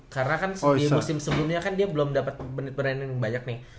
karena kan di musim sebelumnya kan dia belum dapet penyertaan yang banyak nih